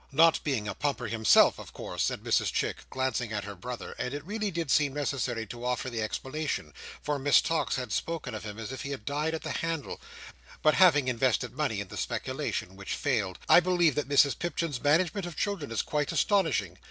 "Not being a Pumper himself, of course," said Mrs Chick, glancing at her brother; and it really did seem necessary to offer the explanation, for Miss Tox had spoken of him as if he had died at the handle; "but having invested money in the speculation, which failed. I believe that Mrs Pipchin's management of children is quite astonishing.